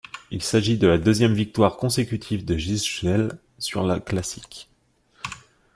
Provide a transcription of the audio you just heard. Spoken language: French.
Il s'agit de la deuxième victoire consécutive de Gijssels sur la classique.